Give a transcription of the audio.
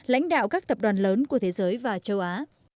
lãnh đạo các tập đoàn lớn của thế giới và châu á